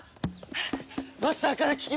マスターから聞きました！